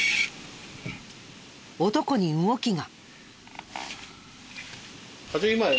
男に動きが。